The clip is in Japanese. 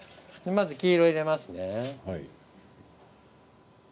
まず黄色を入れますね。